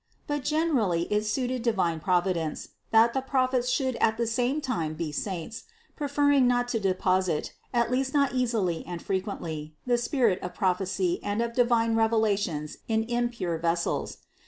But generally it suited divine Providence, that the prophets should at the same time be saints, preferring not to de posit, at least not easily and frequently, the spirit of prophecy and of divine revelations in impure vessels.